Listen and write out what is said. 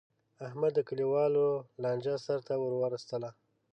احمد د کلیوالو لانجه سرته ور وستله.